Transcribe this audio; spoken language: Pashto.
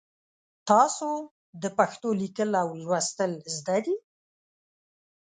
تاسو د پښتو لیکل او لوستل زده دي؟